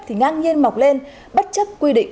thì ngang nhiên mọc lên bất chấp quy định